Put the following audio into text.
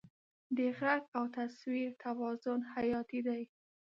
د غږ او تصویر توازن حیاتي دی.